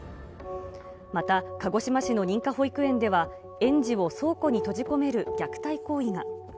また鹿児島市の認可保育園では、園児を倉庫に閉じ込める虐待行為が。